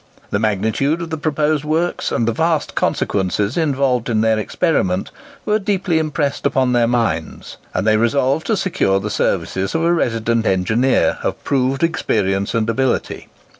The magnitude of the proposed works, and the vast consequences involved in their experiment, were deeply impressed upon their minds; and they resolved to secure the services of a resident engineer of proved experience and ability.